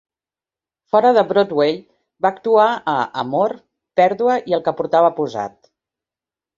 Fora de Broadway, va actuar a "Amor, Pèrdua i el que Portava Posat".